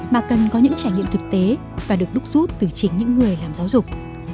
mà cần có những trải nghiệm thực tế và được đúc rút từ chính những người làm giáo dục